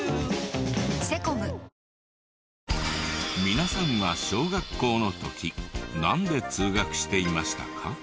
皆さんは小学校の時何で通学していましたか？